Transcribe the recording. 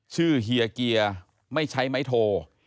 เฮียเกียร์ไม่ใช้ไม้โท